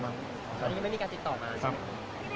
ตอนนี้ไม่มีการติดต่อมาใช่ไหมครับ